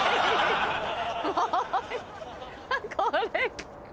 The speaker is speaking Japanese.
これ！